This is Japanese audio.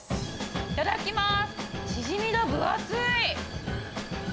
いただきます。